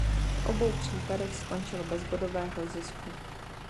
V obou případech skončil bez bodového zisku.